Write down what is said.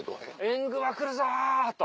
「援軍は来るぞ！」と。